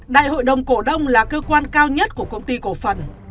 đại hội đồng cổ đông là cơ quan cao nhất của công ty cổ phần